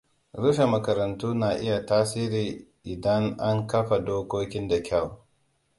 Rufe makarantu na iya tasiri idan an kafa dokokin da kyau.